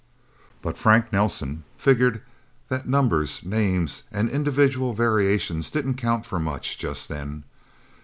But Frank Nelsen figured that numbers, names, and individual variations didn't count for much, just then.